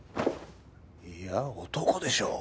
いや男でしょう。